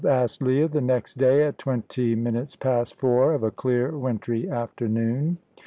asked Leah, the next day, at twenty minutes past four of a clear wintry afternoon.